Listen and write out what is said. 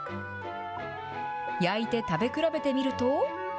焼いて食べ比べてみると。